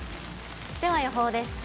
では、予報です。